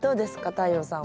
太陽さんは。